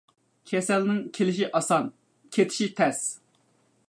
كېسەلنىڭ كېلىشى ئاسان، كېتىشى تەس.